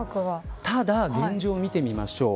ただ、現状を見てみましょう。